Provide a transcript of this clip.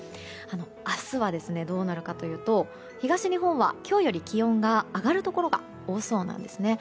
明日はどうなるかというと東日本は今日より気温が上がるところが多そうなんです。